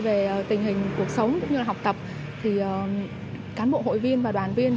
về tình hình cuộc sống cũng như là học tập thì cán bộ hội viên và đoàn viên